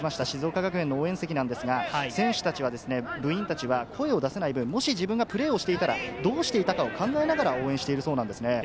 静岡県の応援席ですが、選手たちは部員たちは声を出せない分、もし自分がプレーをしていたらどうしていたかを考えながら応援してるそうです。